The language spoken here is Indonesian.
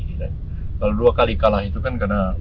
kalau dua kali kalah itu kan karena